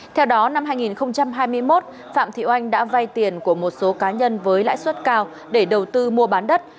theo đó năm hai nghìn hai mươi một phạm thị oanh đã vay tiền của một số cá nhân với lãi suất cao để đầu tư mua bán đất